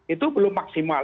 itu belum maksimal